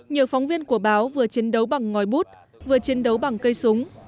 nhiều phóng viên của báo vừa chiến đấu bằng ngòi bút vừa chiến đấu bằng cây súng